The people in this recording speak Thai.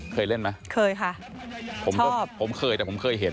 เคยเล่นไหมเคยค่ะผมก็ผมเคยแต่ผมเคยเห็น